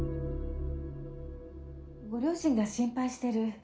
・ご両親が心配してる。